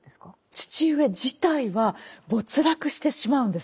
父上自体は没落してしまうんです。